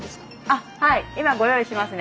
あっはい今ご用意しますね。